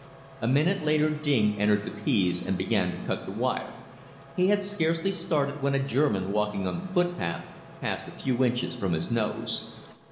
A minute later Ding entered the peas and began to cut the wire. He had scarcely started when a German walking on the footpath passed a few inches from his nose.